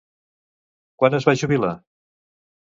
Quan es va jubilar?